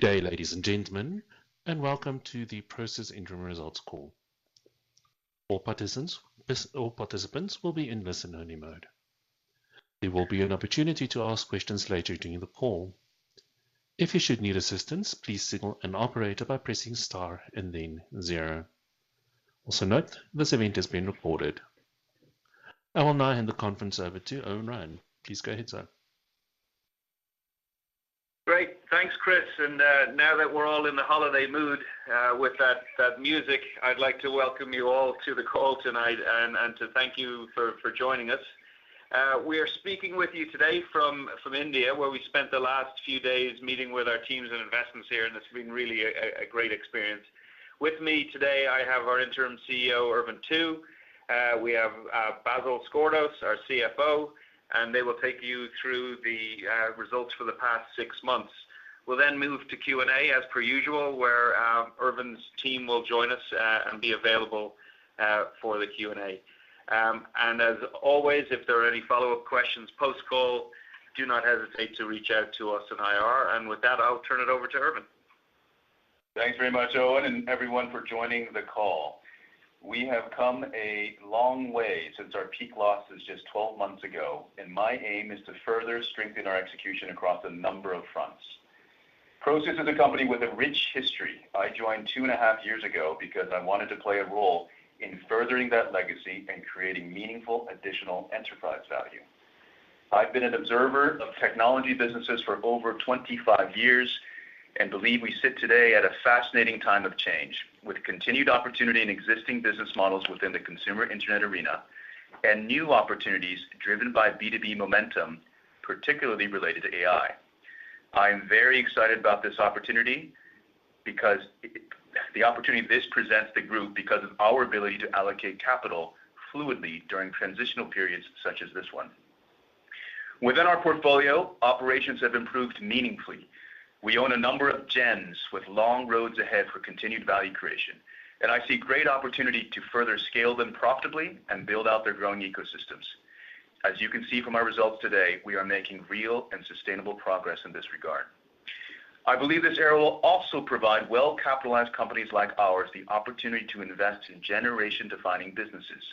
Good day, ladies and gentlemen, and welcome to the Prosus Interim Results Call. All participants will be in listen-only mode. There will be an opportunity to ask questions later during the call. If you should need assistance, please signal an operator by pressing star and then zero. Also note, this event is being recorded. I will now hand the conference over to Eoin Ryan. Please go ahead, sir. Great. Thanks, Chris. Now that we're all in the holiday mood, with that music, I'd like to welcome you all to the call tonight and to thank you for joining us. We are speaking with you today from India, where we spent the last few days meeting with our teams and investments here, and it's been really a great experience. With me today, I have our interim CEO, Ervin Tu. We have Basil Sgourdos, our CFO, and they will take you through the results for the past six months. We'll then move to Q&A, as per usual, where Ervin's team will join us and be available for the Q&A. As always, if there are any follow-up questions post-call, do not hesitate to reach out to us in IR. With that, I'll turn it over to Ervin. Thanks very much, Eoin, and everyone for joining the call. We have come a long way since our peak losses just 12 months ago, and my aim is to further strengthen our execution across a number of fronts. Prosus is a company with a rich history. I joined 2.5 years ago because I wanted to play a role in furthering that legacy and creating meaningful additional enterprise value. I've been an observer of technology businesses for over 25 years and believe we sit today at a fascinating time of change, with continued opportunity in existing business models within the consumer internet arena and new opportunities driven by B2B momentum, particularly related to AI. I'm very excited about this opportunity because the opportunity this presents the group because of our ability to allocate capital fluidly during transitional periods such as this one. Within our portfolio, operations have improved meaningfully. We own a number of gems with long roads ahead for continued value creation, and I see great opportunity to further scale them profitably and build out their growing ecosystems. As you can see from our results today, we are making real and sustainable progress in this regard. I believe this era will also provide well-capitalized companies like ours, the opportunity to invest in generation-defining businesses.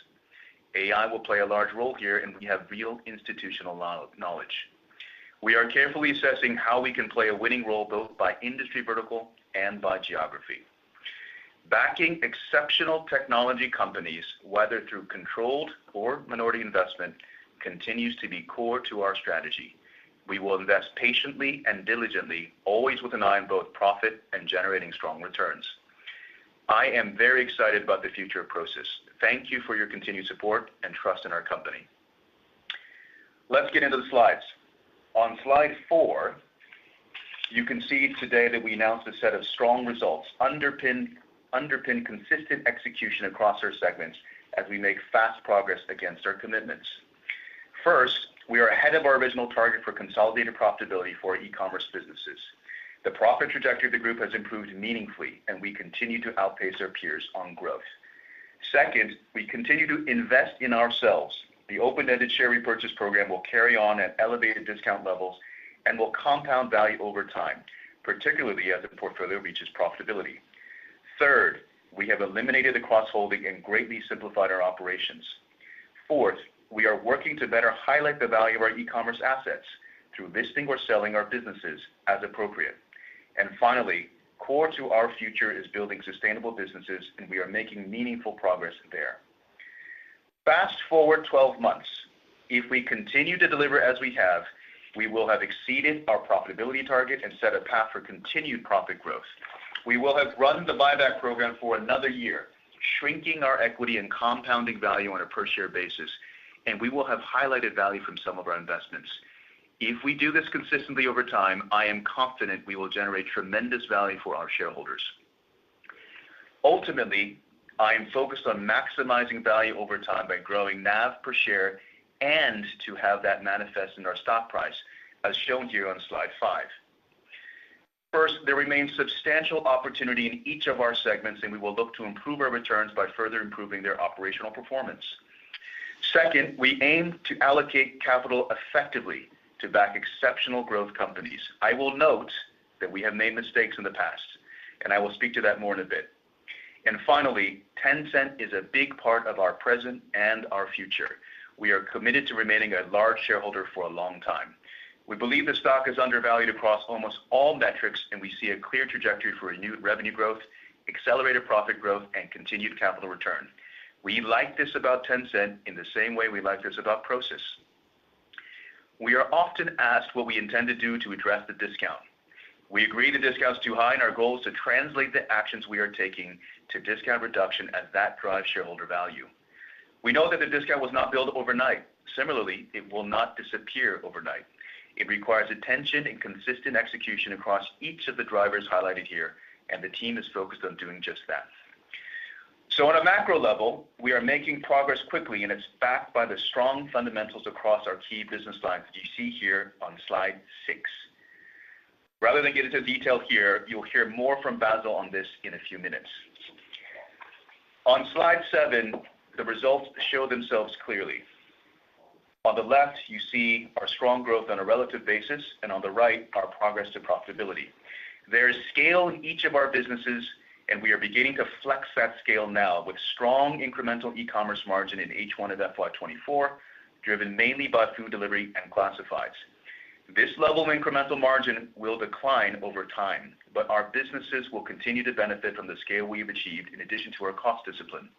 AI will play a large role here, and we have real institutional know-how. We are carefully assessing how we can play a winning role, both by industry vertical and by geography. Backing exceptional technology companies, whether through controlled or minority investment, continues to be core to our strategy. We will invest patiently and diligently, always with an eye on both profit and generating strong returns. I am very excited about the future of Prosus. Thank you for your continued support and trust in our company. Let's get into the slides. On slide four, you can see today that we announced a set of strong results, underpinned by consistent execution across our segments as we make fast progress against our commitments. First, we are ahead of our original target for consolidated profitability for e-commerce businesses. The profit trajectory of the group has improved meaningfully, and we continue to outpace our peers on growth. Second, we continue to invest in ourselves. The open-ended share repurchase program will carry on at elevated discount levels and will compound value over time, particularly as the portfolio reaches profitability. Third, we have eliminated the cross-holding and greatly simplified our operations. Fourth, we are working to better highlight the value of our e-commerce assets through exiting or selling our businesses as appropriate. Finally, core to our future is building sustainable businesses, and we are making meaningful progress there. Fast-forward 12 months, if we continue to deliver as we have, we will have exceeded our profitability target and set a path for continued profit growth. We will have run the buyback program for another year, shrinking our equity and compounding value on a per-share basis, and we will have highlighted value from some of our investments. If we do this consistently over time, I am confident we will generate tremendous value for our shareholders. Ultimately, I am focused on maximizing value over time by growing NAV per share and to have that manifest in our stock price, as shown to you on slide five. First, there remains substantial opportunity in each of our segments, and we will look to improve our returns by further improving their operational performance. Second, we aim to allocate capital effectively to back exceptional growth companies. I will note that we have made mistakes in the past, and I will speak to that more in a bit. Finally, Tencent is a big part of our present and our future. We are committed to remaining a large shareholder for a long time. We believe the stock is undervalued across almost all metrics, and we see a clear trajectory for renewed revenue growth, accelerated profit growth, and continued capital return. We like this about Tencent in the same way we like this about Prosus. We are often asked what we intend to do to address the discount. We agree the discount is too high, and our goal is to translate the actions we are taking to discount reduction as that drives shareholder value. We know that the discount was not built overnight. Similarly, it will not disappear overnight. It requires attention and consistent execution across each of the drivers highlighted here, and the team is focused on doing just that. So on a macro level, we are making progress quickly, and it's backed by the strong fundamentals across our key business lines that you see here on slide six. Rather than get into detail here, you'll hear more from Basil on this in a few minutes. On slide seven, the results show themselves clearly. On the left, you see our strong growth on a relative basis, and on the right, our progress to profitability. There is scale in each of our businesses, and we are beginning to flex that scale now with strong incremental e-commerce margin in H1 of FY 2024, driven mainly by food delivery and classifieds. This level of incremental margin will decline over time, but our businesses will continue to benefit from the scale we have achieved in addition to our cost discipline.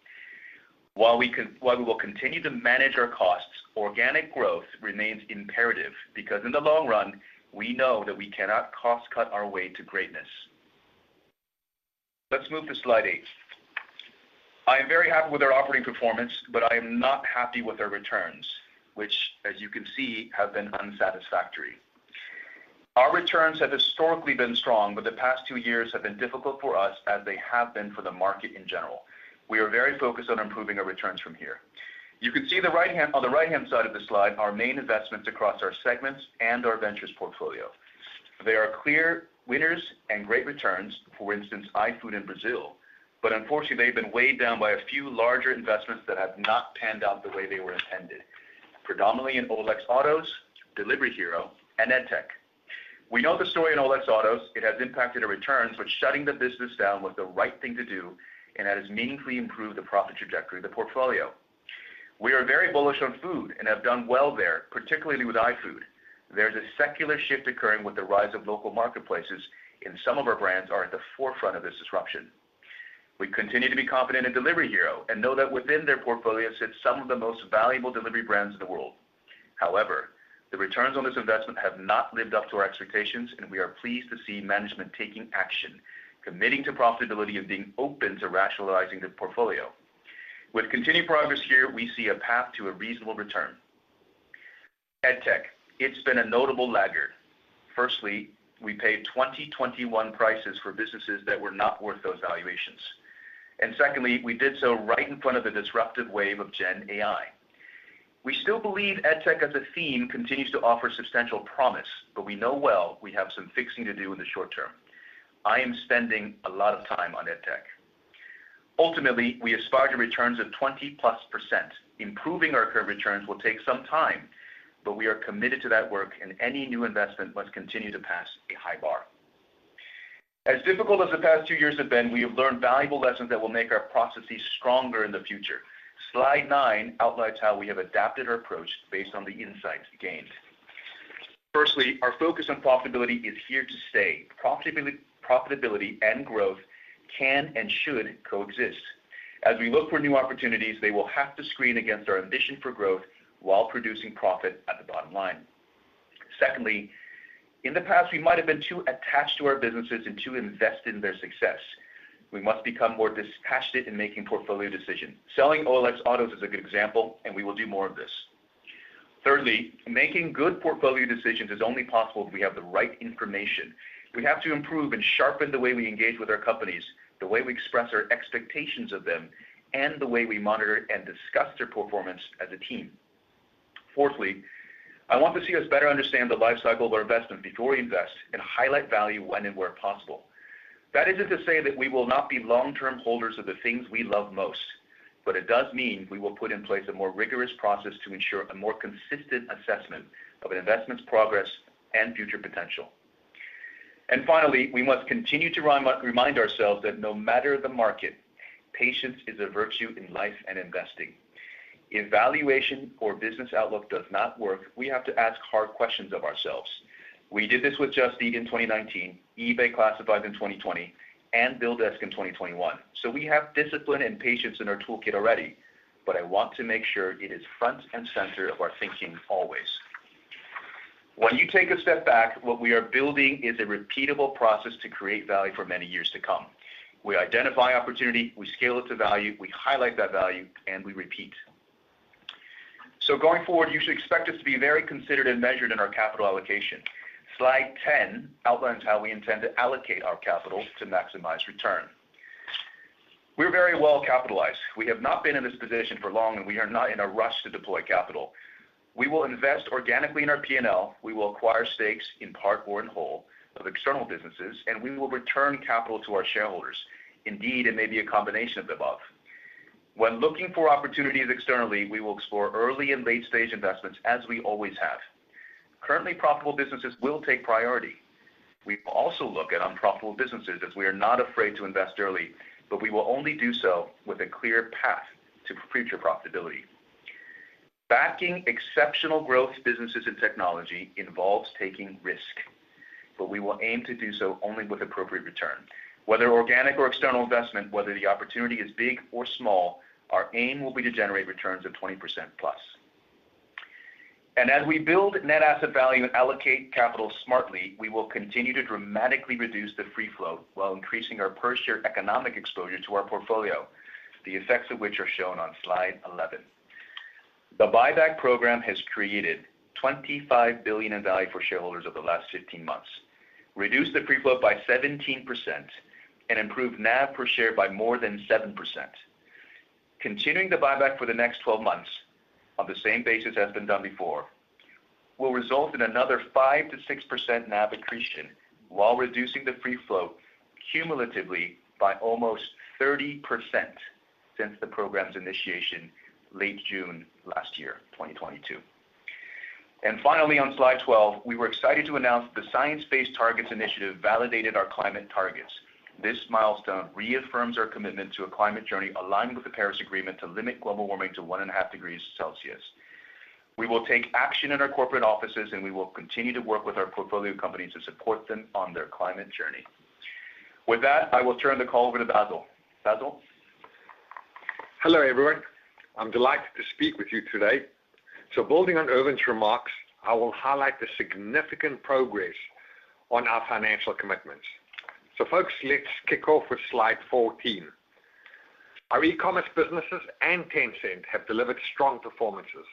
While we will continue to manage our costs, organic growth remains imperative because in the long run, we know that we cannot cost-cut our way to greatness. Let's move to slide eight. I am very happy with our operating performance, but I am not happy with our returns, which, as you can see, have been unsatisfactory. Our returns have historically been strong, but the past two years have been difficult for us, as they have been for the market in general. We are very focused on improving our returns from here. You can see on the right-hand side of the slide, our main investments across our segments and our ventures portfolio. They are clear winners and great returns, for instance, iFood in Brazil, but unfortunately, they've been weighed down by a few larger investments that have not panned out the way they were intended, predominantly in OLX Autos, Delivery Hero, and Edtech. We know the story in OLX Autos. It has impacted our returns, but shutting the business down was the right thing to do, and that has meaningfully improved the profit trajectory of the portfolio. We are very bullish on food and have done well there, particularly with iFood. There's a secular shift occurring with the rise of local marketplaces, and some of our brands are at the forefront of this disruption. We continue to be confident in Delivery Hero and know that within their portfolio sits some of the most valuable delivery brands in the world. However, the returns on this investment have not lived up to our expectations, and we are pleased to see management taking action, committing to profitability, and being open to rationalizing the portfolio. With continued progress here, we see a path to a reasonable return. Edtech, it's been a notable laggard. Firstly, we paid 2021 prices for businesses that were not worth those valuations. Secondly, we did so right in front of a disruptive wave of Gen AI. We still believe Edtech as a theme, continues to offer substantial promise, but we know well we have some fixing to do in the short term. I am spending a lot of time on Edtech. Ultimately, we aspire to returns of 20%+. Improving our current returns will take some time, but we are committed to that work, and any new investment must continue to pass a high bar. As difficult as the past two years have been, we have learned valuable lessons that will make our processes stronger in the future. Slide nine outlines how we have adapted our approach based on the insights gained. Firstly, our focus on profitability is here to stay. Profitability, profitability, and growth can and should coexist. As we look for new opportunities, they will have to screen against our ambition for growth while producing profit at the bottom line. Secondly, in the past, we might have been too attached to our businesses and too invested in their success. We must become more dispassionate in making portfolio decisions. Selling OLX Autos is a good example, and we will do more of this. Thirdly, making good portfolio decisions is only possible if we have the right information. We have to improve and sharpen the way we engage with our companies, the way we express our expectations of them, and the way we monitor and discuss their performance as a team. Fourthly, I want to see us better understand the life cycle of our investment before we invest and highlight value when and where possible. That isn't to say that we will not be long-term holders of the things we love most, but it does mean we will put in place a more rigorous process to ensure a more consistent assessment of an investment's progress and future potential. And finally, we must continue to remind ourselves that no matter the market, patience is a virtue in life and investing. If valuation or business outlook does not work, we have to ask hard questions of ourselves. We did this with Just Eat in 2019, eBay Classifieds in 2020, and BillDesk in 2021. So we have discipline and patience in our toolkit already, but I want to make sure it is front and center of our thinking always. When you take a step back, what we are building is a repeatable process to create value for many years to come. We identify opportunity, we scale it to value, we highlight that value, and we repeat. So going forward, you should expect us to be very considered and measured in our capital allocation. Slide 10 outlines how we intend to allocate our capital to maximize return. We're very well capitalized. We have not been in this position for long, and we are not in a rush to deploy capital. We will invest organically in our P&L, we will acquire stakes in part or in whole of external businesses, and we will return capital to our shareholders. Indeed, it may be a combination of the above. When looking for opportunities externally, we will explore early and late-stage investments, as we always have. Currently profitable businesses will take priority. We also look at unprofitable businesses as we are not afraid to invest early, but we will only do so with a clear path to future profitability. Backing exceptional growth businesses and technology involves taking risk, but we will aim to do so only with appropriate return. Whether organic or external investment, whether the opportunity is big or small, our aim will be to generate returns of 20%+. As we build net asset value and allocate capital smartly, we will continue to dramatically reduce the free float while increasing our per-share economic exposure to our portfolio, the effects of which are shown on slide 11. The buyback program has created 25 billion in value for shareholders over the last 15 months, reduced the free float by 17%, and improved NAV per share by more than 7%. Continuing the buyback for the next 12 months on the same basis as has been done before will result in another 5%-6% NAV accretion, while reducing the free float cumulatively by almost 30% since the program's initiation late June last year, 2022. And finally, on slide 12, we were excited to announce the Science Based Targets initiative validated our climate targets. This milestone reaffirms our commitment to a climate journey aligned with the Paris Agreement to limit global warming to one and a half degrees Celsius. We will take action in our corporate offices, and we will continue to work with our portfolio companies and support them on their climate journey. With that, I will turn the call over to Basil. Basil? Hello, everyone. I'm delighted to speak with you today. So building on Ervin's remarks, I will highlight the significant progress on our financial commitments. So folks, let's kick off with slide 14. Our e-commerce businesses and Tencent have delivered strong performances.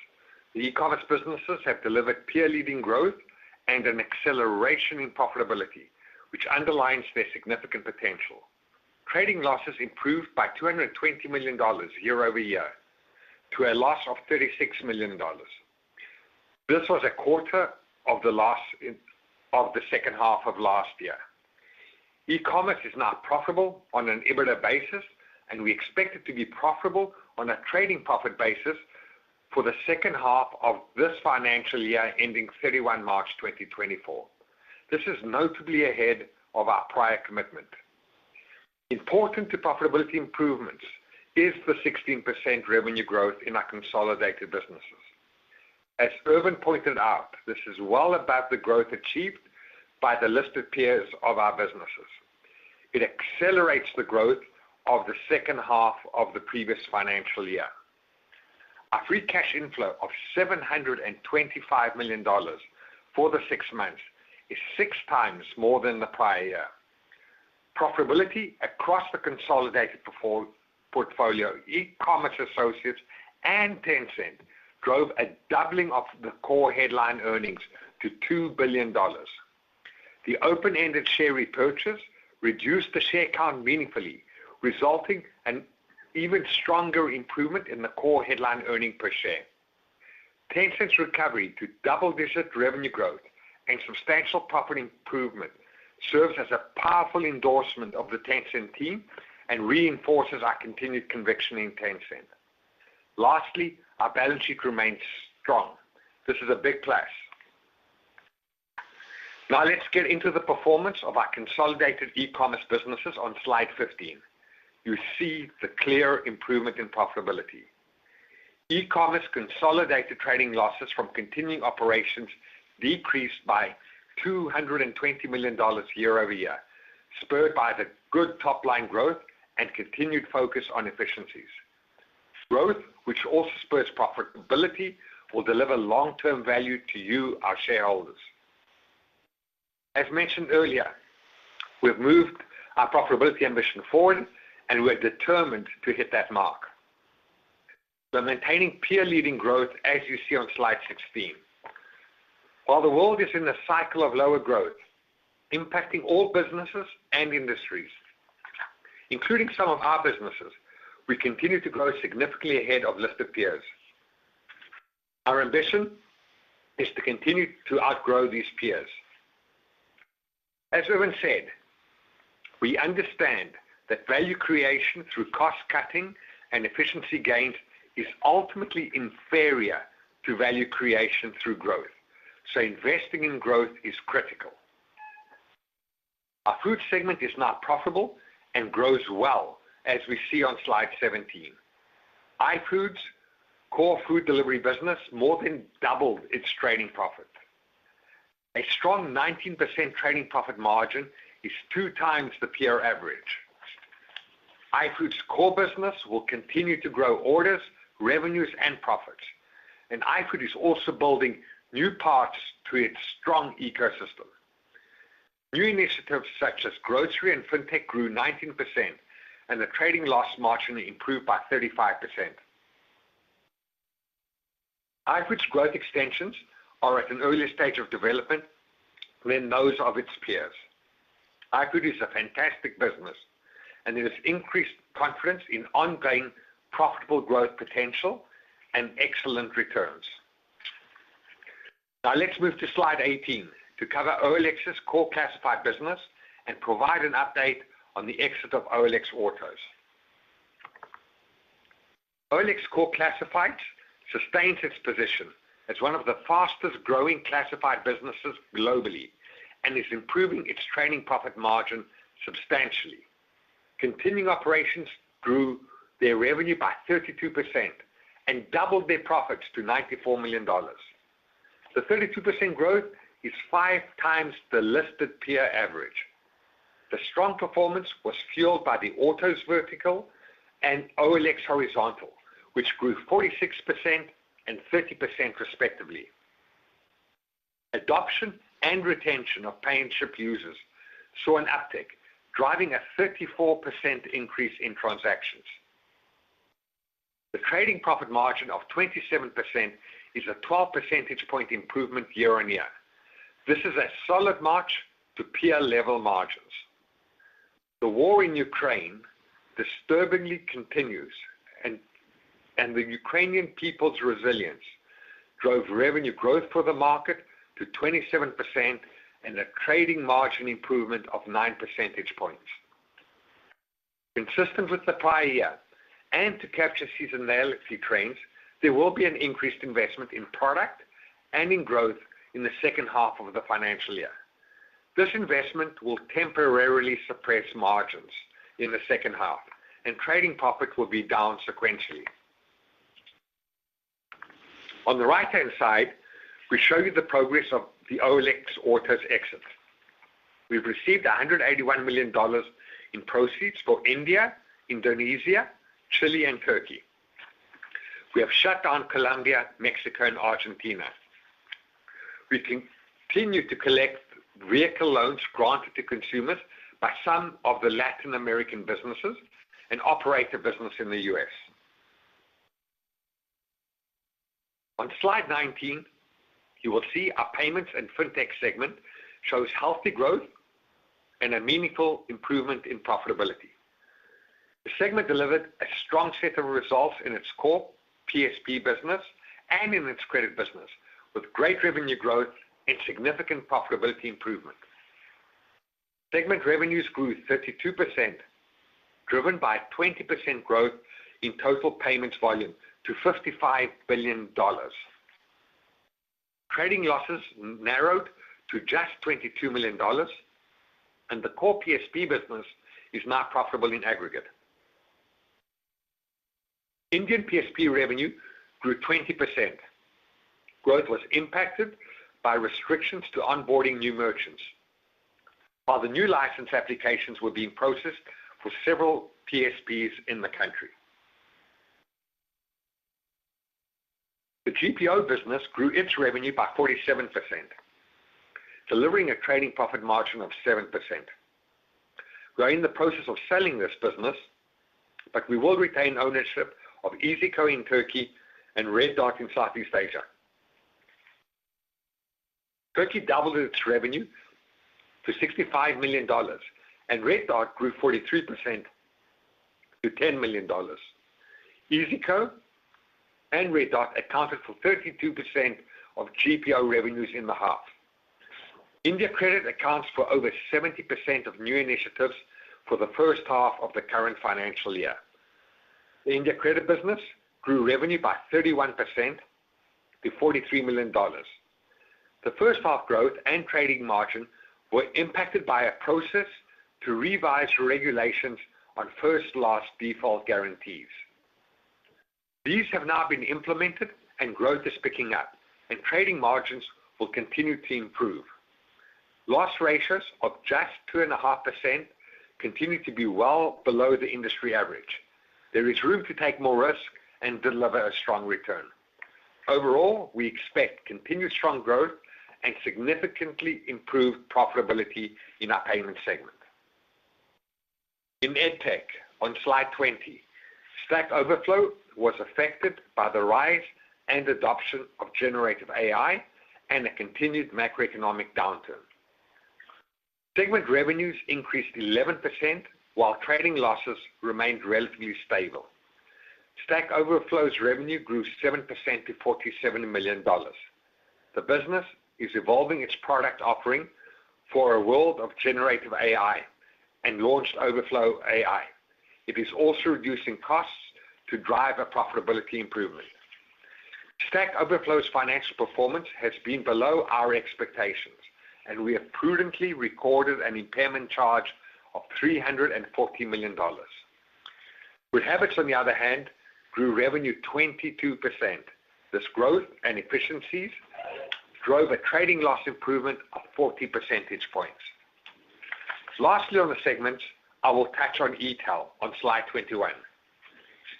The e-commerce businesses have delivered peer-leading growth and an acceleration in profitability, which underlines their significant potential. Trading losses improved by $220 million year-over-year, to a loss of $36 million. This was a quarter of the loss of the second half of last year. E-commerce is now profitable on an EBITDA basis, and we expect it to be profitable on a trading profit basis for the second half of this financial year, ending 31 March 2024. This is notably ahead of our prior commitment. Important to profitability improvements is the 16% revenue growth in our consolidated businesses. As Ervin pointed out, this is well above the growth achieved by the listed peers of our businesses. It accelerates the growth of the second half of the previous financial year. Our free cash inflow of $725 million for the six months is six times more than the prior year. Profitability across the consolidated portfolio, e-commerce associates and Tencent, drove a doubling of the core headline earnings to $2 billion. The open-ended share repurchase reduced the share count meaningfully, resulting in an even stronger improvement in the core headline earnings per share. Tencent's recovery to double-digit revenue growth and substantial profit improvement serves as a powerful endorsement of the Tencent team and reinforces our continued conviction in Tencent. Lastly, our balance sheet remains strong. This is a big plus. Now, let's get into the performance of our consolidated e-commerce businesses on slide 15. You see the clear improvement in profitability. E-commerce consolidated trading losses from continuing operations decreased by $220 million year-over-year, spurred by the good top-line growth and continued focus on efficiencies. Growth, which also spurs profitability, will deliver long-term value to you, our shareholders. As mentioned earlier, we've moved our profitability ambition forward, and we are determined to hit that mark. We're maintaining peer-leading growth, as you see on slide 16. While the world is in a cycle of lower growth, impacting all businesses and industries, including some of our businesses, we continue to grow significantly ahead of listed peers. Our ambition is to continue to outgrow these peers. As Ervin said, we understand that value creation through cost-cutting and efficiency gains is ultimately inferior to value creation through growth, so investing in growth is critical. Our food segment is now profitable and grows well, as we see on slide 17. iFood's core food delivery business more than doubled its trading profit. A strong 19% trading profit margin is two times the peer average. iFood's core business will continue to grow orders, revenues, and profits, and iFood is also building new parts to its strong ecosystem. New initiatives such as grocery and fintech grew 19%, and the trading loss margin improved by 35%. iFood's growth extensions are at an earlier stage of development than those of its peers. iFood is a fantastic business, and it has increased confidence in ongoing profitable growth potential and excellent returns. Now, let's move to slide 18 to cover OLX's core classified business and provide an update on the exit of OLX Autos. OLX core classified sustained its position as one of the fastest-growing classified businesses globally and is improving its trading profit margin substantially. Continuing operations grew their revenue by 32% and doubled their profits to $94 million. The 32% growth is five times the listed peer average. The strong performance was fueled by the autos vertical and OLX horizontal, which grew 46% and 30%, respectively. Adoption and retention of Pay and Ship users saw an uptick, driving a 34% increase in transactions. The trading profit margin of 27% is a 12 percentage point improvement year-on-year. This is a solid march to peer-level margins. The war in Ukraine disturbingly continues, and the Ukrainian people's resilience drove revenue growth for the market to 27% and a trading margin improvement of nine percentage points. Consistent with the prior year, and to capture seasonality trends, there will be an increased investment in product and in growth in the second half of the financial year. This investment will temporarily suppress margins in the second half, and trading profits will be down sequentially. On the right-hand side, we show you the progress of the OLX Autos exit. We've received $181 million in proceeds for India, Indonesia, Chile, and Turkey. We have shut down Colombia, Mexico, and Argentina. We continue to collect vehicle loans granted to consumers by some of the Latin American businesses and operate a business in the U.S. On slide 19, you will see our payments and Fintech segment shows healthy growth and a meaningful improvement in profitability. The segment delivered a strong set of results in its core PSP business and in its credit business, with great revenue growth and significant profitability improvement. Segment revenues grew 32%, driven by 20% growth in total payments volume to $55 billion. Trading losses narrowed to just $22 million, and the core PSP business is now profitable in aggregate. Indian PSP revenue grew 20%. Growth was impacted by restrictions to onboarding new merchants, while the new license applications were being processed for several PSPs in the country. The GPO business grew its revenue by 47%, delivering a trading profit margin of 7%. We are in the process of selling this business, but we will retain ownership of iyzico in Turkey and Red Dot in Southeast Asia. Turkey doubled its revenue to $65 million, and Red Dot grew 43% to $10 million. iyzico and Red Dot accounted for 32% of GPO revenues in the half. India Credit accounts for over 70% of new initiatives for the first half of the current financial year. The India Credit business grew revenue by 31% to $43 million. The first half growth and trading margin were impacted by a process to revise regulations on first loss default guarantees. These have now been implemented, and growth is picking up, and trading margins will continue to improve. Loss ratios of just 2.5% continue to be well below the industry average. There is room to take more risk and deliver a strong return. Overall, we expect continued strong growth and significantly improved profitability in our payment segment. In Edtech, on slide 20, Stack Overflow was affected by the rise and adoption of generative AI and a continued macroeconomic downturn. Segment revenues increased 11%, while trading losses remained relatively stable. Stack Overflow's revenue grew 7% to $47 million. The business is evolving its product offering for a world of generative AI and launched OverflowAI. It is also reducing costs to drive a profitability improvement. Stack Overflow's financial performance has been below our expectations, and we have prudently recorded an impairment charge of $340 million. GoodHabitz, on the other hand, grew revenue 22%. This growth and efficiencies drove a trading loss improvement of 40 percentage points. Lastly, on the segments, I will touch on Etail on slide 21.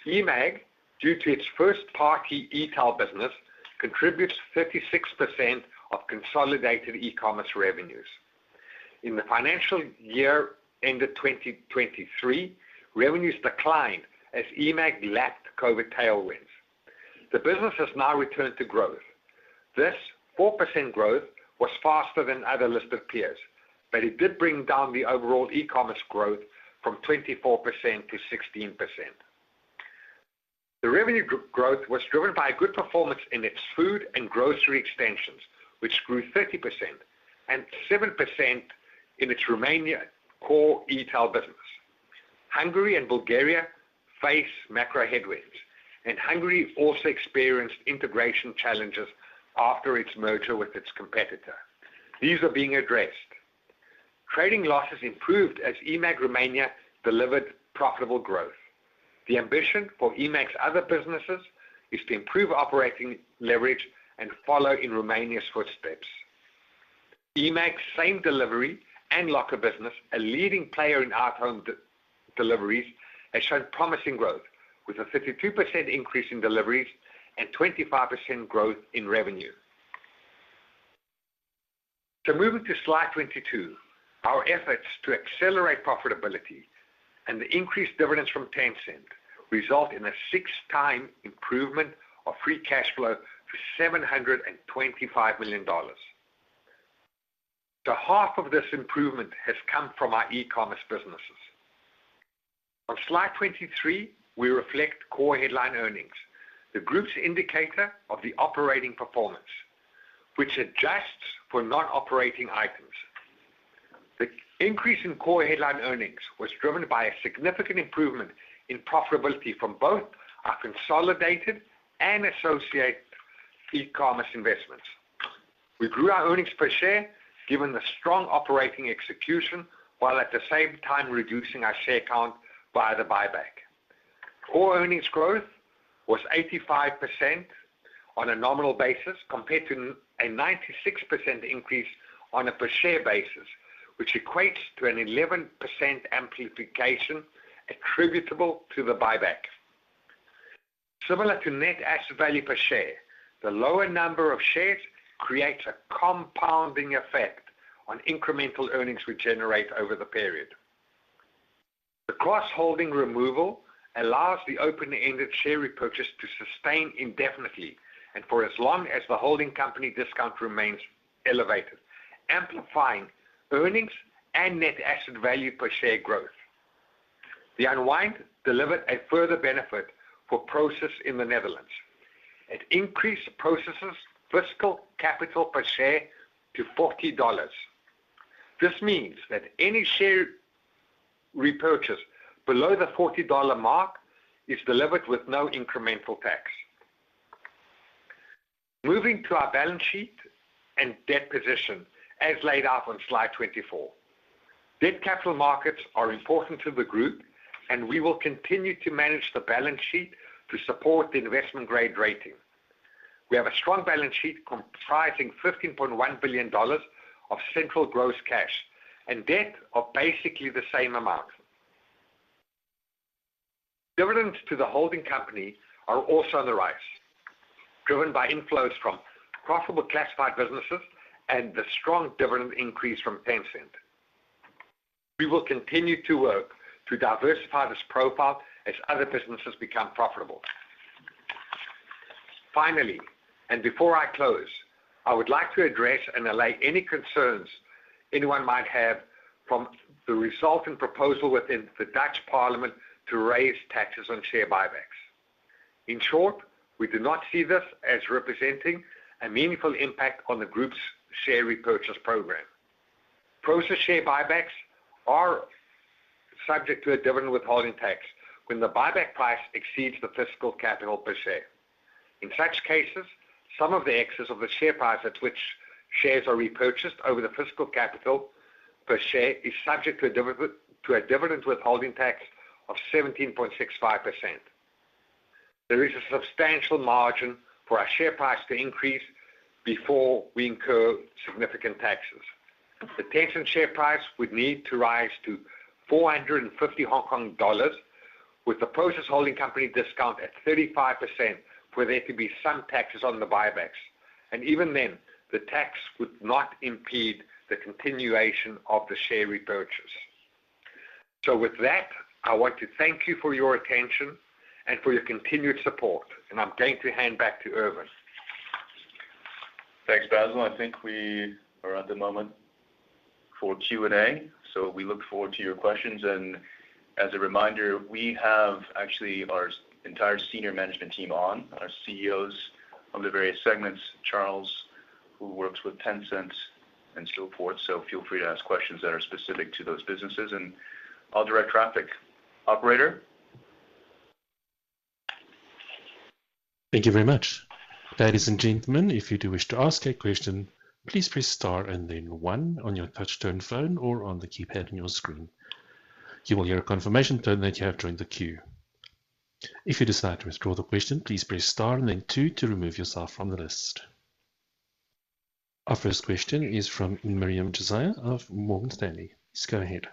eMAG, due to its first-party Etail business, contributes 36% of consolidated e-commerce revenues. In the financial year ended 2023, revenues declined as eMAG lacked COVID tailwinds. The business has now returned to growth. This 4% growth was faster than other listed peers, but it did bring down the overall e-commerce growth from 24%-16%. The revenue growth was driven by a good performance in its food and grocery extensions, which grew 30% and 7% in its Romania core Etail business. Hungary and Bulgaria face macro headwinds, and Hungary also experienced integration challenges after its merger with its competitor. These are being addressed. Trading losses improved as eMAG Romania delivered profitable growth. The ambition for eMAG's other businesses is to improve operating leverage and follow in Romania's footsteps. eMAG's same delivery and locker business, a leading player in out-of-home deliveries, has shown promising growth, with a 52% increase in deliveries and 25% growth in revenue. So moving to slide 22, our efforts to accelerate profitability and the increased dividends from Tencent result in a six-time improvement of free cash flow to $725 million. So half of this improvement has come from our e-commerce businesses. On slide 23, we reflect core headline earnings, the group's indicator of the operating performance, which adjusts for non-operating items. The increase in core headline earnings was driven by a significant improvement in profitability from both our consolidated and associate e-commerce investments. We grew our earnings per share, given the strong operating execution, while at the same time reducing our share count via the buyback. Core earnings growth was 85% on a nominal basis, compared to a 96% increase on a per share basis, which equates to an 11% amplification attributable to the buyback. Similar to net asset value per share, the lower number of shares creates a compounding effect on incremental earnings we generate over the period. The cross-holding removal allows the open-ended share repurchase to sustain indefinitely and for as long as the holding company discount remains elevated, amplifying earnings and net asset value per share growth. The unwind delivered a further benefit for Prosus in the Netherlands. It increased Prosus' fiscal capital per share to $40. This means that any share repurchase below the $40 mark is delivered with no incremental tax. Moving to our balance sheet and debt position, as laid out on slide 24. Debt capital markets are important to the group, and we will continue to manage the balance sheet to support the investment grade rating. We have a strong balance sheet comprising $15.1 billion of central gross cash and debt of basically the same amount. Dividends to the holding company are also on the rise, driven by inflows from profitable classified businesses and the strong dividend increase from Tencent. We will continue to work to diversify this profile as other businesses become profitable. Finally, before I close, I would like to address and allay any concerns anyone might have from the resulting proposal within the Dutch Parliament to raise taxes on share buybacks. In short, we do not see this as representing a meaningful impact on the group's share repurchase program. Prosus share buybacks are subject to a dividend withholding tax when the buyback price exceeds the fiscal capital per share. In such cases, some of the excess of the share price at which shares are repurchased over the fiscal capital per share is subject to a dividend withholding tax of 17.65%. There is a substantial margin for our share price to increase before we incur significant taxes. The Tencent share price would need to rise to 450 Hong Kong dollars, with the Prosus holding company discount at 35%, where there could be some taxes on the buybacks, and even then, the tax would not impede the continuation of the share repurchase. So with that, I want to thank you for your attention and for your continued support, and I'm going to hand back to Ervin. Thanks, Basil. I think we are at the moment for Q&A, so we look forward to your questions. And as a reminder, we have actually our entire senior management team on, our CEOs of the various segments, Charles, who works with Tencent and so forth. So feel free to ask questions that are specific to those businesses, and I'll direct traffic. Operator? Thank you very much. Ladies and gentlemen, if you do wish to ask a question, please press star and then one on your touchtone phone or on the keypad on your screen. You will hear a confirmation tone that you have joined the queue. If you decide to withdraw the question, please press star and then two to remove yourself from the list. Our first question is from Miriam Josiah of Morgan Stanley. Please go ahead.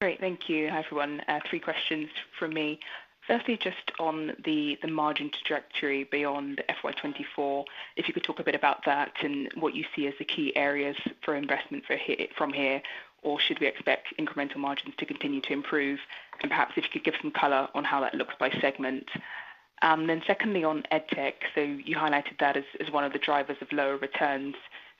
Great, thank you. Hi, everyone. Three questions from me. Firstly, just on the margin trajectory beyond FY 2024, if you could talk a bit about that and what you see as the key areas for investment from here, or should we expect incremental margins to continue to improve? And perhaps if you could give some color on how that looks by segment. Then secondly, on Edtech, so you highlighted that as one of the drivers of lower returns.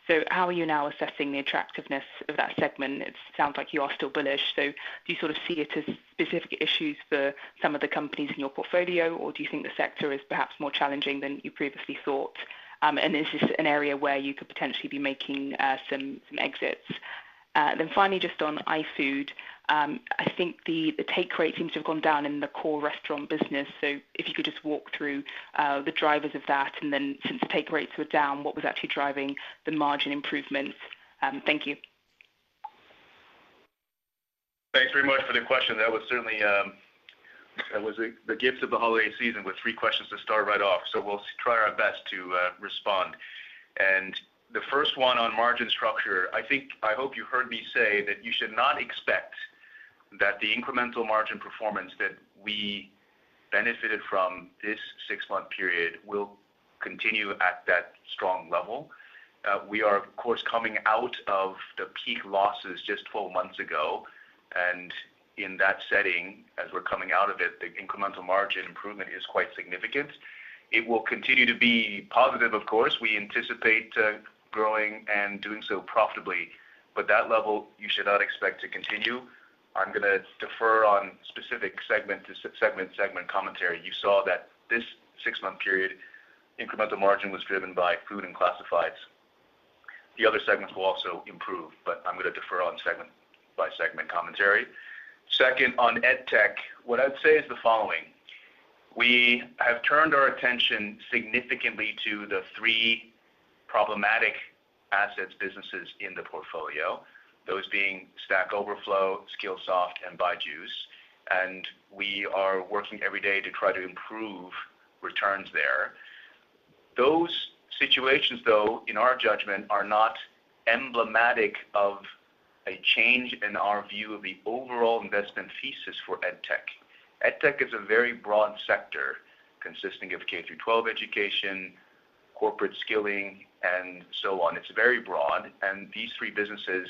So how are you now assessing the attractiveness of that segment? It sounds like you are still bullish, so do you sort of see it as specific issues for some of the companies in your portfolio, or do you think the sector is perhaps more challenging than you previously thought? And is this an area where you could potentially be making some exits? Then finally, just on iFood, I think the take rate seems to have gone down in the core restaurant business. So if you could just walk through the drivers of that, and then since the take rates were down, what was actually driving the margin improvements? Thank you. Thanks very much for the question. That was certainly, that was the gift of the holiday season with three questions to start right off. So we'll try our best to respond. And the first one on margin structure, I think, I hope you heard me say that you should not expect that the incremental margin performance that we benefited from this six-month period will continue at that strong level. We are, of course, coming out of the peak losses just twelve months ago, and in that setting, as we're coming out of it, the incremental margin improvement is quite significant. It will continue to be positive, of course. We anticipate growing and doing so profitably, but that level you should not expect to continue. I'm gonna defer on specific segment to segment, segment commentary. You saw that this six-month period, incremental margin was driven by food and classifieds. The other segments will also improve, but I'm gonna defer on segment by segment commentary. Second, on Edtech, what I'd say is the following: We have turned our attention significantly to the three problematic assets businesses in the portfolio, those being Stack Overflow, Skillsoft, and BYJU'S, and we are working every day to try to improve returns there. Those situations, though, in our judgment, are not emblematic of a change in our view of the overall investment thesis for Edtech. Edtech is a very broad sector consisting of K-12 education, corporate skilling, and so on. It's very broad, and these three businesses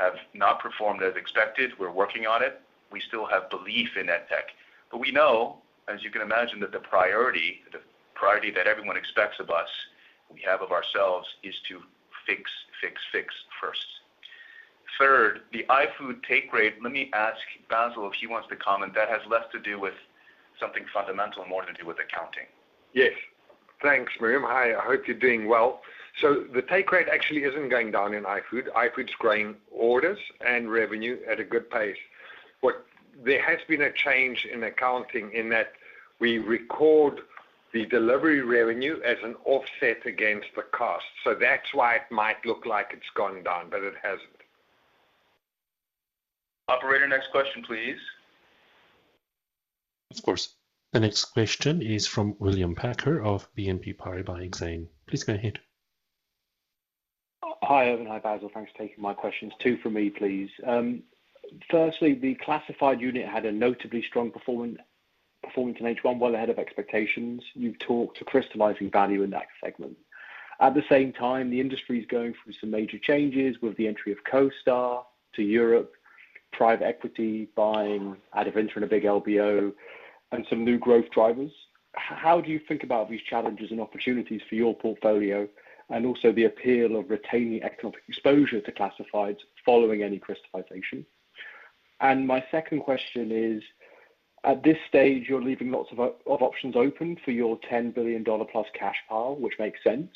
have not performed as expected. We're working on it. We still have belief in Edtech, but we know, as you can imagine, that the priority, the priority that everyone expects of us, we have of ourselves, is to fix, fix, fix first. Third, the iFood take rate. Let me ask Basil if he wants to comment. That has less to do with something fundamental and more to do with accounting. Yes. Thanks, Miriam. Hi, I hope you're doing well. So the take rate actually isn't going down in iFood. iFood's growing orders and revenue at a good pace. But there has been a change in accounting in that we record the delivery revenue as an offset against the cost. So that's why it might look like it's gone down, but it hasn't. Operator, next question, please. Of course. The next question is from William Packer of BNP Paribas Exane. Please go ahead. Hi, Ervin. Hi, Basil. Thanks for taking my questions. Two for me, please. Firstly, the classified unit had a notably strong performance in H1, well ahead of expectations. You've talked to crystallizing value in that segment. At the same time, the industry is going through some major changes with the entry of CoStar to Europe, private equity buying Adevinta in a big LBO, and some new growth drivers. How do you think about these challenges and opportunities for your portfolio, and also the appeal of retaining economic exposure to classifieds following any crystallization? My second question is: At this stage, you're leaving lots of options open for your $10 billion+ cash pile, which makes sense.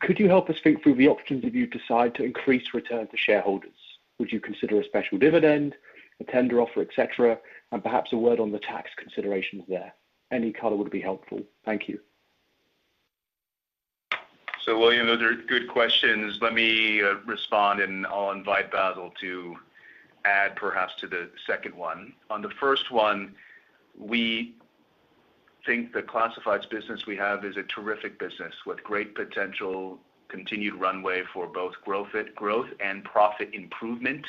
Could you help us think through the options if you decide to increase return to shareholders? Would you consider a special dividend, a tender offer, et cetera, and perhaps a word on the tax considerations there? Any color would be helpful. Thank you. So, William, those are good questions. Let me respond, and I'll invite Basil to add, perhaps, to the second one. On the first one, we think the classified business we have is a terrific business with great potential, continued runway for both growth, growth and profit improvement.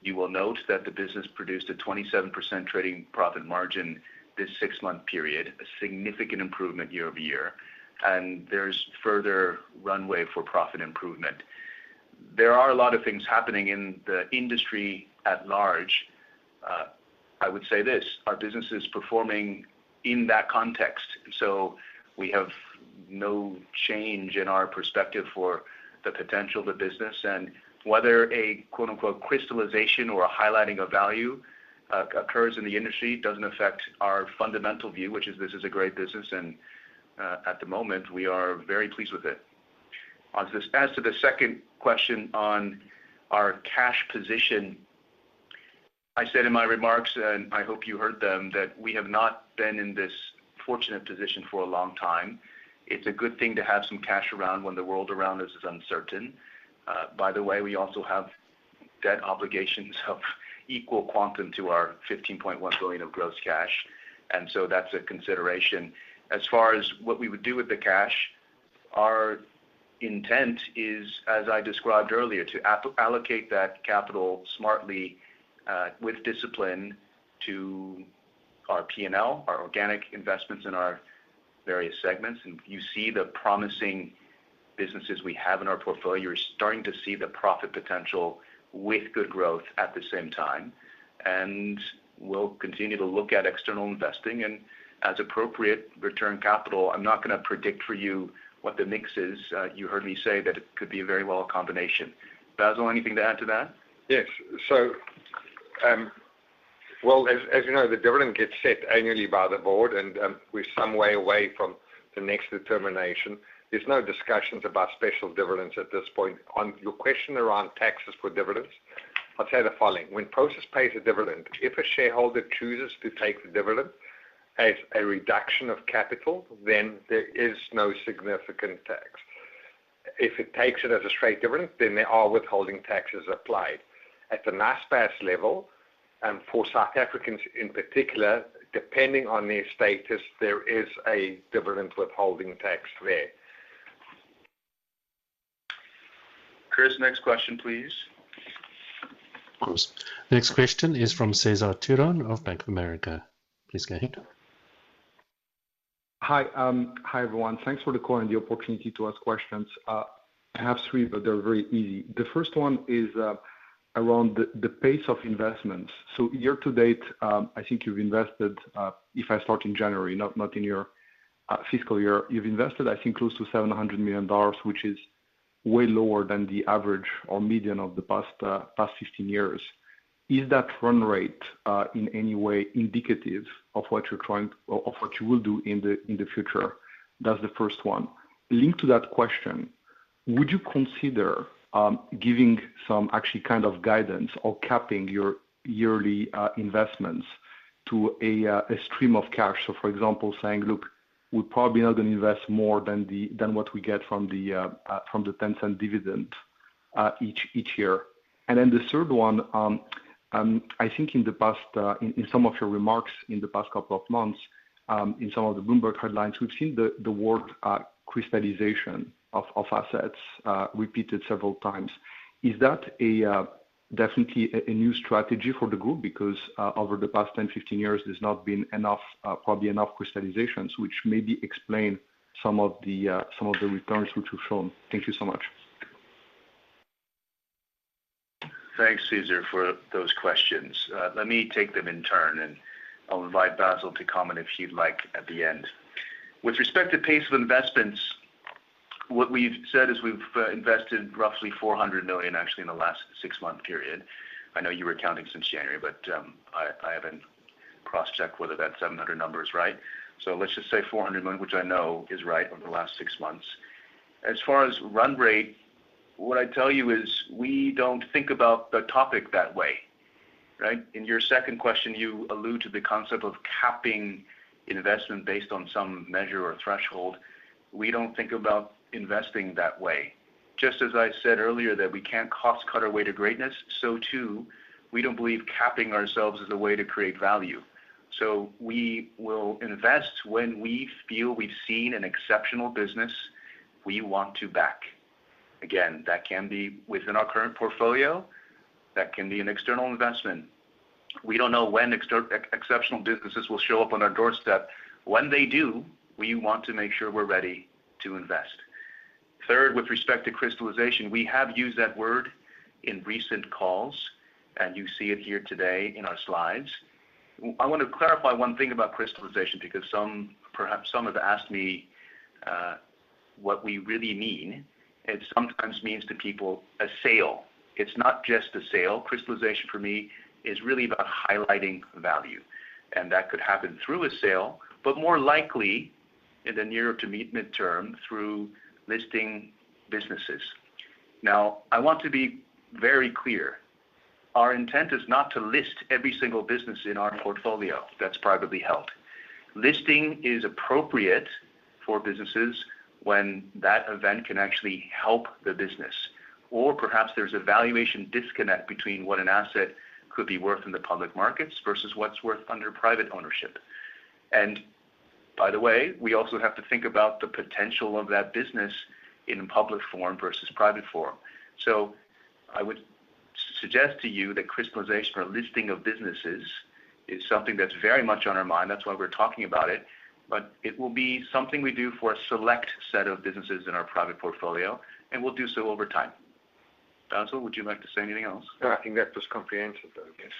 You will note that the business produced a 27% trading profit margin this six-month period, a significant improvement year-over-year, and there's further runway for profit improvement. There are a lot of things happening in the industry at large. I would say this: Our business is performing in that context, so we have no change in our perspective for the potential of the business, and whether a "crystallization" or a highlighting of value occurs in the industry doesn't affect our fundamental view, which is this is a great business, and at the moment, we are very pleased with it. On to the... As to the second question on our cash position, I said in my remarks, and I hope you heard them, that we have not been in this fortunate position for a long time. It's a good thing to have some cash around when the world around us is uncertain. By the way, we also have debt obligations of equal quantum to our 15.1 billion of gross cash, and so that's a consideration. As far as what we would do with the cash, our intent is, as I described earlier, to allocate that capital smartly, with discipline to our P&L, our organic investments in our various segments. You see the promising businesses we have in our portfolio. You're starting to see the profit potential with good growth at the same time, and we'll continue to look at external investing and, as appropriate, return capital. I'm not gonna predict for you what the mix is. You heard me say that it could be very well a combination. Basil, anything to add to that? Yes. So, well, as you know, the dividend gets set annually by the board, and we're some way away from the next determination. There's no discussions about special dividends at this point. On your question around taxes for dividends, I'll tell you the following: When Prosus pays a dividend, if a shareholder chooses to take the dividend as a reduction of capital, then there is no significant tax. If it takes it as a straight dividend, then there are withholding taxes applied. At the Naspers level, and for South Africans in particular, depending on their status, there is a dividend withholding tax there. Chris, next question, please. Of course. The next question is from Cesar Tiron of Bank of America. Please go ahead. Hi, everyone. Thanks for the call and the opportunity to ask questions. I have three, but they're very easy. The first one is around the pace of investments. So year to date, I think you've invested, if I start in January, not in your fiscal year, you've invested, I think, close to $700 million, which is way lower than the average or median of the past 15 years. Is that run rate in any way indicative of what you will do in the future? That's the first one. Linked to that question, would you consider giving some actually kind of guidance or capping your yearly investments to a stream of cash? So for example, saying: Look, we're probably not going to invest more than what we get from the Tencent dividend each year. And then the third one, I think in the past, in some of your remarks in the past couple of months, in some of the Bloomberg headlines, we've seen the word crystallization of assets repeated several times. Is that definitely a new strategy for the group? Because over the past 10, 15 years, there's not been enough, probably enough crystallizations, which maybe explain some of the returns which we've shown. Thank you so much. Thanks, Cesar, for those questions. Let me take them in turn, and I'll invite Basil to comment if he'd like at the end. With respect to pace of investments, what we've said is we've invested roughly 400 million, actually, in the last six-month period. I know you were counting since January, but I haven't cross-checked whether that 700 number is right. So let's just say 400 million, which I know is right over the last six months. As far as run rate, what I'd tell you is we don't think about the topic that way, right? In your second question, you allude to the concept of capping investment based on some measure or threshold. We don't think about investing that way. Just as I said earlier, that we can't cost cut our way to greatness, so too, we don't believe capping ourselves is a way to create value. So we will invest when we feel we've seen an exceptional business we want to back. Again, that can be within our current portfolio, that can be an external investment. We don't know when exceptional businesses will show up on our doorstep. When they do, we want to make sure we're ready to invest. Third, with respect to crystallization, we have used that word in recent calls, and you see it here today in our slides. I want to clarify one thing about crystallization, because some, perhaps some have asked me, what we really mean. It sometimes means to people a sale. It's not just a sale. Crystallization, for me, is really about highlighting value, and that could happen through a sale, but more likely in the near to mid-term, through listing businesses. Now, I want to be very clear. Our intent is not to list every single business in our portfolio that's privately held. Listing is appropriate for businesses when that event can actually help the business or perhaps there's a valuation disconnect between what an asset could be worth in the public markets versus what's worth under private ownership. And by the way, we also have to think about the potential of that business in public form versus private form. So I would suggest to you that crystallization or listing of businesses is something that's very much on our mind. That's why we're talking about it, but it will be something we do for a select set of businesses in our private portfolio, and we'll do so over time. Basil, would you like to say anything else? No, I think that was comprehensive, though, yes.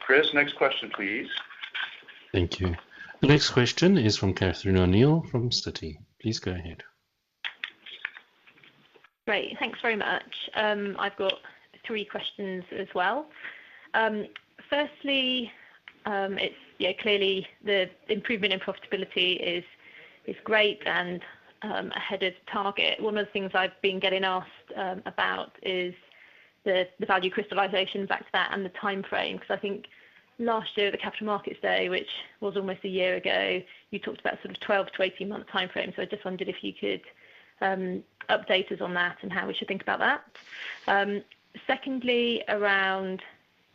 Chris, next question, please. Thank you. The next question is from Catherine O'Neill from Citi. Please go ahead. Great. Thanks very much. I've got three questions as well. Firstly, it's, yeah, clearly, the improvement in profitability is great and ahead of target. One of the things I've been getting asked about is the value crystallization back to that and the time frame, because I think last year at the Capital Markets Day, which was almost a year ago, you talked about sort of 12 to 18-month time frame. So I just wondered if you could update us on that and how we should think about that. Secondly, around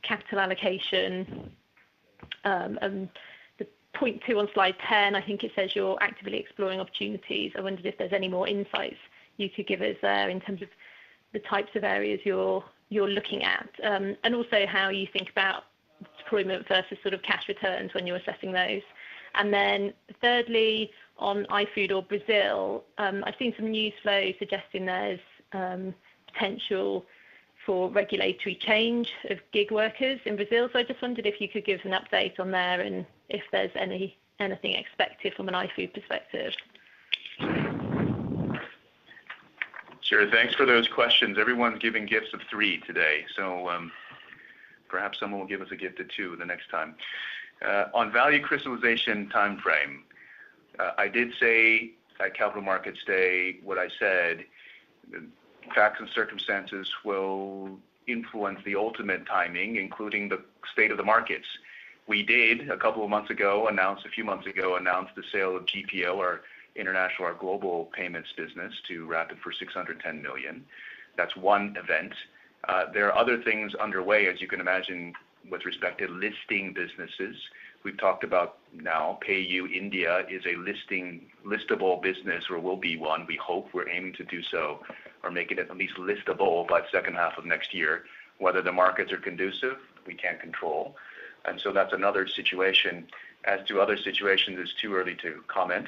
capital allocation, the point two on slide 10, I think it says you're actively exploring opportunities. I wondered if there's any more insights you could give us there in terms of the types of areas you're looking at, and also how you think about deployment versus sort of cash returns when you're assessing those. And then thirdly, on iFood in Brazil, I've seen some news flow suggesting there's potential for regulatory change of gig workers in Brazil. So I just wondered if you could give us an update on there and if there's anything expected from an iFood perspective. Sure. Thanks for those questions. Everyone's giving gifts of three today, so perhaps someone will give us a gift of two the next time. On value crystallization time frame, I did say at Capital Markets Day, what I said, facts and circumstances will influence the ultimate timing, including the state of the markets. We did a few months ago announce the sale of GPO, our international, our global payments business, to Rapyd for $610 million. That's one event. There are other things underway, as you can imagine, with respect to listing businesses. We've talked about now PayU India is a listing, listable business or will be one. We hope we're aiming to do so or making it at least listable by the second half of next year. Whether the markets are conducive, we can't control, and so that's another situation. As to other situations, it's too early to comment.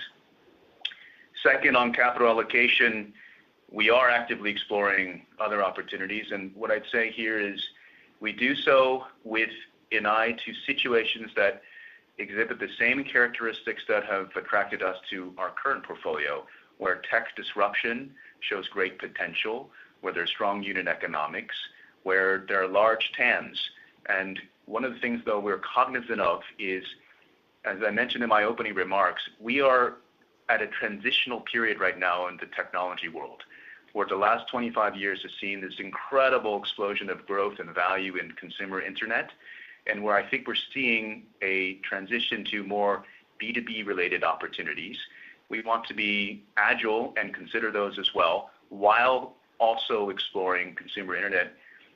Second, on capital allocation, we are actively exploring other opportunities, and what I'd say here is we do so with an eye to situations that exhibit the same characteristics that have attracted us to our current portfolio, where tech disruption shows great potential, where there's strong unit economics, where there are large TAMs. And one of the things, though, we're cognizant of is, as I mentioned in my opening remarks, we are at a transitional period right now in the technology world, where the last 25 years has seen this incredible explosion of growth and value in consumer internet, and where I think we're seeing a transition to more B2B-related opportunities. We want to be agile and consider those as well, while also exploring consumer internet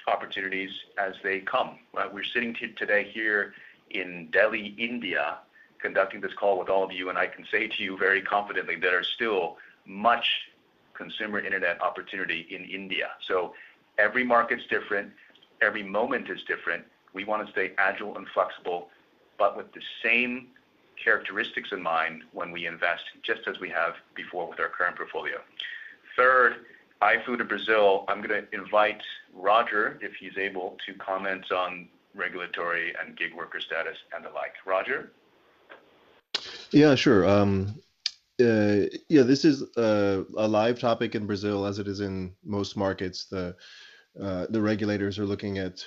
opportunities as they come. Right, we're sitting today here in Delhi, India, conducting this call with all of you, and I can say to you very confidently there are still much consumer internet opportunity in India. So every market is different, every moment is different. We want to stay agile and flexible, but with the same characteristics in mind when we invest, just as we have before with our current portfolio. Third, iFood in Brazil. I'm gonna invite Roger, if he's able, to comment on regulatory and gig worker status and the like. Roger? Yeah, sure. Yeah, this is a live topic in Brazil, as it is in most markets. The regulators are looking at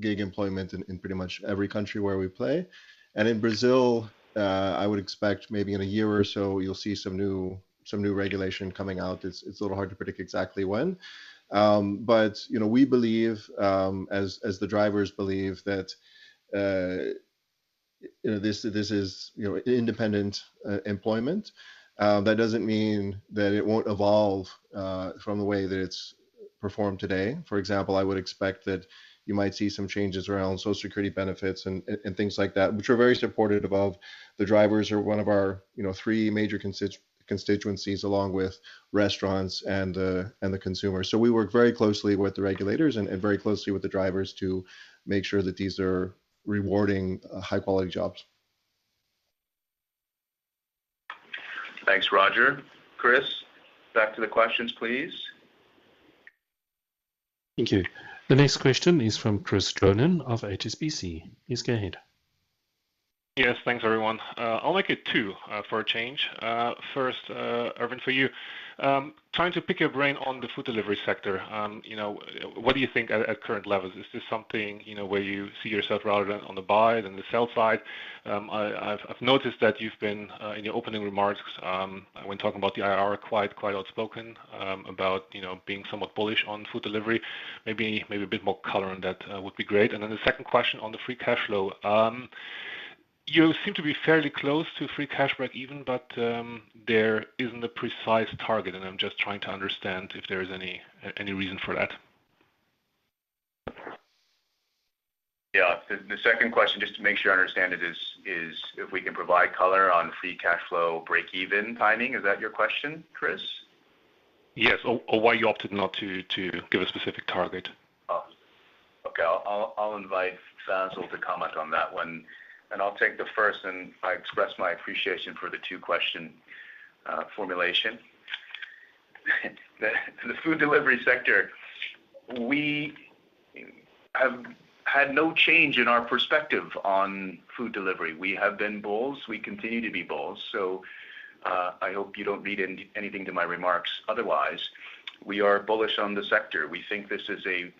gig employment in pretty much every country where we play. And in Brazil, I would expect maybe in a year or so, you'll see some new regulation coming out. It's a little hard to predict exactly when. But you know, we believe, as the drivers believe that you know, this is independent employment. That doesn't mean that it won't evolve from the way that it's performed today. For example, I would expect that you might see some changes around Social Security benefits and things like that, which we're very supportive of. The drivers are one of our, you know, three major constituencies, along with restaurants and the consumer. So we work very closely with the regulators and very closely with the drivers to make sure that these are rewarding high-quality jobs. Thanks, Roger. Chris, back to the questions, please. Thank you. The next question is from Chris Johnen of HSBC. Please go ahead. Yes. Thanks, everyone. I'll make it two, for a change. First, Ervin, for you. Trying to pick your brain on the food delivery sector. You know, what do you think at current levels? Is this something, you know, where you see yourself rather than on the buy than the sell side? I've noticed that you've been, in your opening remarks, when talking about the IRR, quite outspoken, about, you know, being somewhat bullish on food delivery. Maybe a bit more color on that would be great. And then the second question on the free cash flow. You seem to be fairly close to free cash breakeven, but there isn't a precise target, and I'm just trying to understand if there is any reason for that. Yeah. The second question, just to make sure I understand it, is if we can provide color on free cash flow, breakeven timing. Is that your question, Chris? Yes. Or why you opted not to give a specific target? Oh, okay. I'll invite Basil to comment on that one, and I'll take the first, and I express my appreciation for the two-question formulation. The food delivery sector, we have had no change in our perspective on food delivery. We have been bulls; we continue to be bulls, so I hope you don't read anything to my remarks otherwise. We are bullish on the sector. We think this is a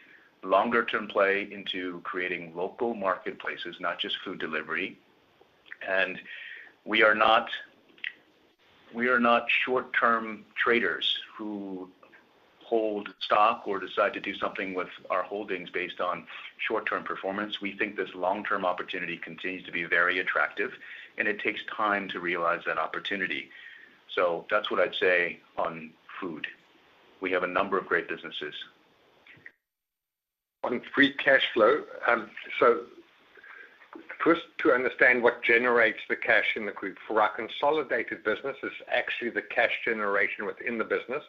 longer-term play into creating local marketplaces, not just food delivery. And we are not, we are not short-term traders who hold stock or decide to do something with our holdings based on short-term performance. We think this long-term opportunity continues to be very attractive, and it takes time to realize that opportunity. So that's what I'd say on food. We have a number of great businesses. On free cash flow, so first, to understand what generates the cash in the group. For our consolidated business, it's actually the cash generation within the business,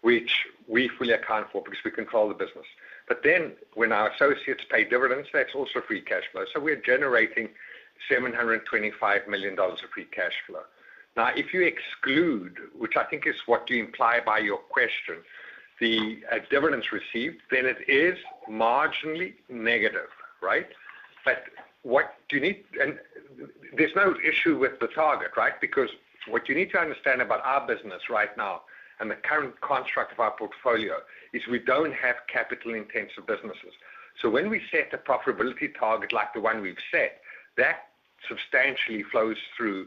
which we fully account for because we control the business. But then when our associates pay dividends, that's also free cash flow. So we're generating $725 million of free cash flow. Now, if you exclude, which I think is what you imply by your question, the dividends received, then it is marginally negative, right? But what you need - and there's no issue with the target, right? Because what you need to understand about our business right now and the current construct of our portfolio is we don't have capital-intensive businesses. So when we set a profitability target like the one we've set, that substantially flows through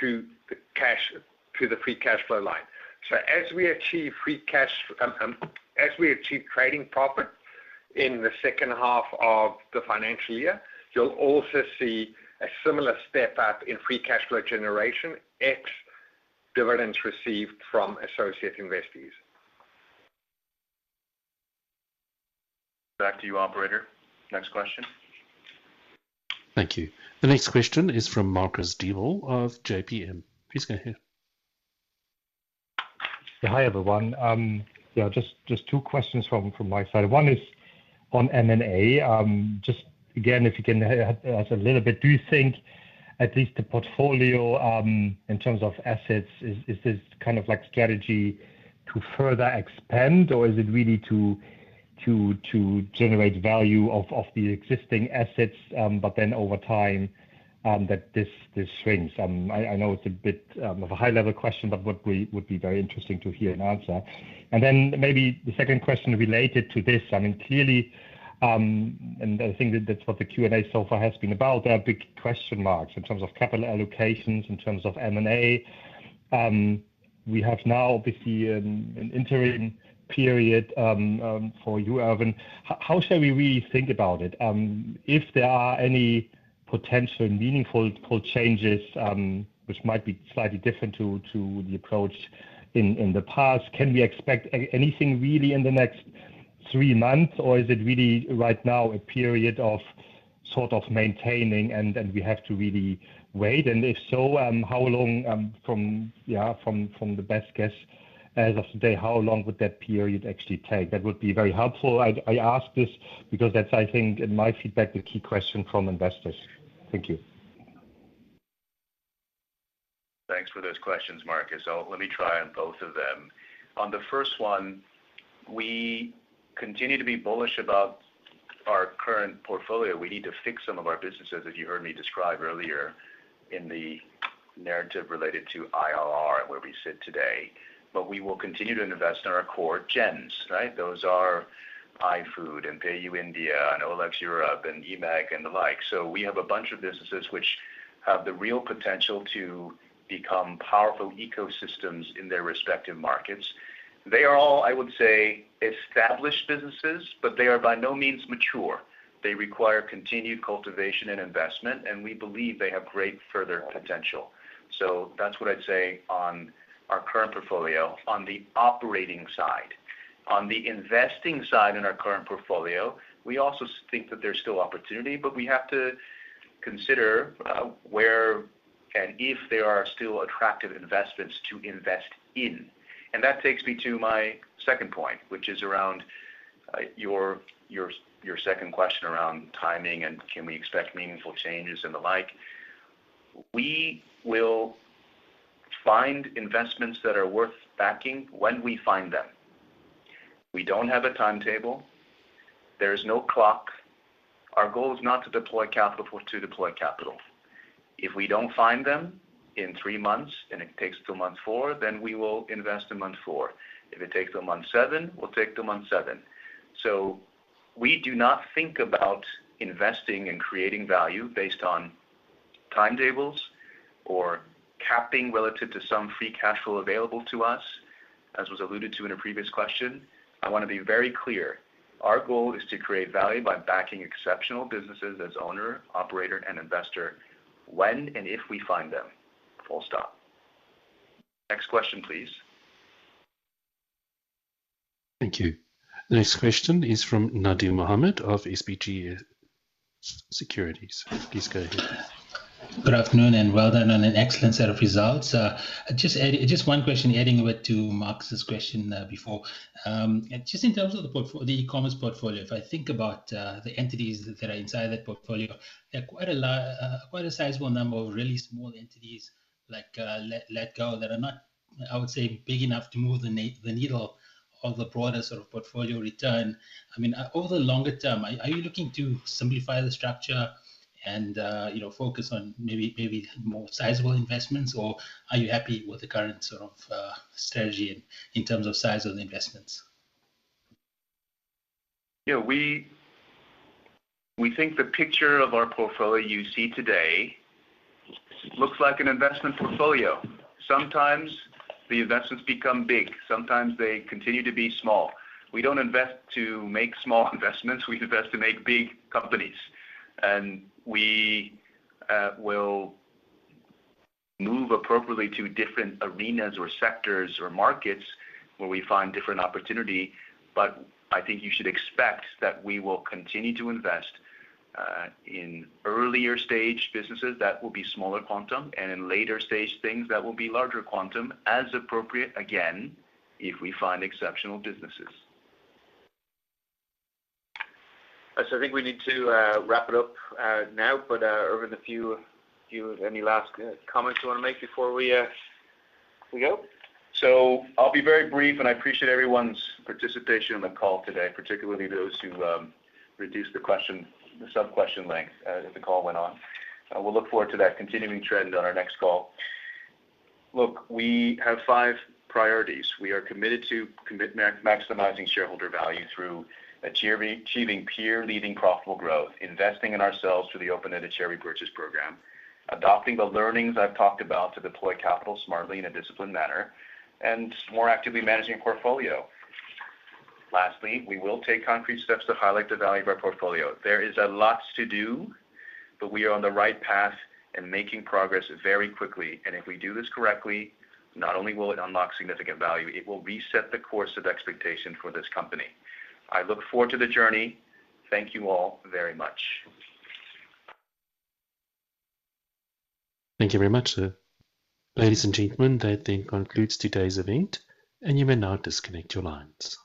to the cash - through the free cash flow line. So as we achieve free cash, as we achieve trading profit in the second half of the financial year, you'll also see a similar step up in free cash flow generation, ex-dividends received from associate investees. Back to you, operator. Next question. Thank you. The next question is from Marcus Diebel of JPM. Please go ahead. Yeah, hi, everyone. Yeah, just two questions from my side. One is on M&A. Just again, if you can help us a little bit, do you think at least the portfolio, in terms of assets, is this kind of like strategy to further expand or is it really to generate value of the existing assets, but then over time, that this shrinks? I know it's a bit of a high-level question, but would be very interesting to hear an answer. And then maybe the second question related to this, I mean, clearly, and I think that that's what the Q&A so far has been about, there are big question marks in terms of capital allocations, in terms of M&A. We have now obviously an interim period for you, Ervin. How should we really think about it? If there are any potential meaningful changes, which might be slightly different to the approach in the past, can we expect anything really in the next three months, or is it really right now a period of sort of maintaining and then we have to really wait? And if so, how long from the best guess as of today would that period actually take? That would be very helpful. I ask this because that's, I think, in my feedback, the key question from investors. Thank you. Thanks for those questions, Marcus. So let me try on both of them. On the first one, we continue to be bullish about our current portfolio. We need to fix some of our businesses, as you heard me describe earlier in the narrative related to IRR and where we sit today. But we will continue to invest in our core gems, right? Those are iFood and PayU India, and OLX Europe and eMAG, and the like. So we have a bunch of businesses which have the real potential to become powerful ecosystems in their respective markets. They are all, I would say, established businesses, but they are by no means mature. They require continued cultivation and investment, and we believe they have great further potential. So that's what I'd say on our current portfolio on the operating side. On the investing side, in our current portfolio, we also think that there's still opportunity, but we have to consider where and if there are still attractive investments to invest in. That takes me to my second point, which is around your second question around timing and can we expect meaningful changes and the like. We will find investments that are worth backing when we find them. We don't have a timetable. There is no clock. Our goal is not to deploy capital to deploy capital. If we don't find them in three months and it takes till month four, then we will invest in month four. If it takes till month seven, we'll take till month seven. So we do not think about investing and creating value based on timetables or capping relative to some free cash flow available to us, as was alluded to in a previous question. I want to be very clear, our goal is to create value by backing exceptional businesses as owner, operator, and investor when and if we find them. Full stop. Next question, please. Thank you. The next question is from Nadim Mohamed of SBG Securities. Please go ahead. Good afternoon, and well done on an excellent set of results. Just one question, adding a bit to Marcus's question before. Just in terms of the e-commerce portfolio, if I think about the entities that are inside that portfolio, there are quite a lot, quite a sizable number of really small entities like letgo, that are not, I would say, big enough to move the needle on the broader sort of portfolio return. I mean, over the longer term, are you looking to simplify the structure and you know, focus on maybe, maybe more sizable investments? Or are you happy with the current sort of strategy in terms of size of the investments? Yeah, we think the picture of our portfolio you see today looks like an investment portfolio. Sometimes the investments become big, sometimes they continue to be small. We don't invest to make small investments, we invest to make big companies, and we will move appropriately to different arenas or sectors or markets where we find different opportunity. But I think you should expect that we will continue to invest in earlier stage businesses that will be smaller quantum, and in later stage things that will be larger quantum, as appropriate, again, if we find exceptional businesses. I think we need to wrap it up now. But, Ervin, any last comments you want to make before we go? So I'll be very brief, and I appreciate everyone's participation on the call today, particularly those who reduced the question, the subquestion length, as the call went on. We'll look forward to that continuing trend on our next call. Look, we have five priorities. We are committed to maximizing shareholder value through achieving peer-leading profitable growth, investing in ourselves through the open-ended share repurchase program, adopting the learnings I've talked about to deploy capital smartly in a disciplined manner, and more actively managing portfolio. Lastly, we will take concrete steps to highlight the value of our portfolio. There is a lot to do, but we are on the right path and making progress very quickly. And if we do this correctly, not only will it unlock significant value, it will reset the course of expectation for this company. I look forward to the journey. Thank you all very much. Thank you very much, sir. Ladies and gentlemen, that then concludes today's event, and you may now disconnect your lines.